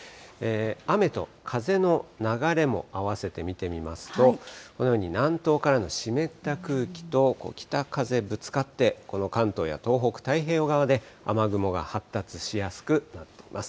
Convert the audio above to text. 雨と風の流れも併せて見てみますと、このように、南東からの湿った空気と北風ぶつかって、この関東や東北太平洋側で、雨雲が発達しやすくなっています。